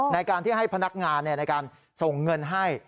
ในการที่ให้พนักงานในการส่งเงินให้